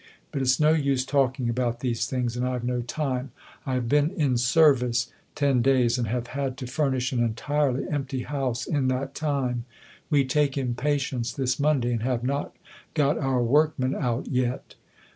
But it's no use talking about these things, and I've no time. I have been "in service" ten days, and have had to furnish an entirely empty house in that time. We take in patients this Monday, and have not got our workmen out yet.